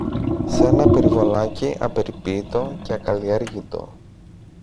Σ' ένα περιβολάκι απεριποίητο και ακαλλιέργητο